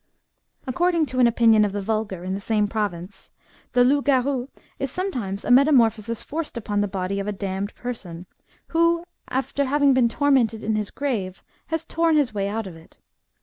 According to an opinion of the vulgar in the same province, the loup garou is sometimes a metamorphosis forced upon the body of a damned person, who, after having been tormented in his grave, has torn his way out of it.